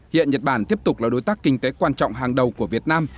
hiện nhật bản tiếp tục là đối tác kinh tế quan trọng hàng đầu của việt nam